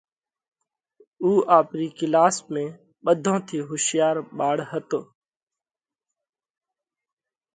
اُو آپرِي ڪلاس ۾ ٻڌون ٿِي هوشِيار ٻاۯ هتو۔